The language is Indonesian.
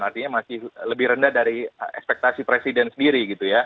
artinya masih lebih rendah dari ekspektasi presiden sendiri